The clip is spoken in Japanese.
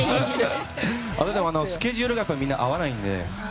スケジュールがやっぱりみんな、合わないので。